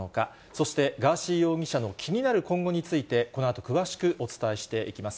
そしてガーシー容疑者の気になる今後について、このあと詳しくお伝えしていきます。